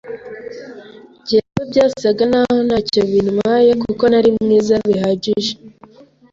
Jyewe byasaga n’aho nta cyo bintwaye kuko nari mwiza bihagije,